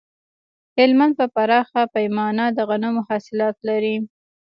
هلمند په پراخه پیمانه د غنمو حاصلات لري